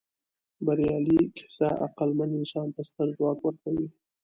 بریالۍ کیسه عقلمن انسان ته ستر ځواک ورکوي.